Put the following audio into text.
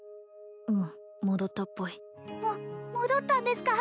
うん戻ったっぽいも戻ったんですか？